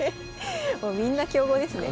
みんな強豪ですね。